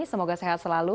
semoga sehat selalu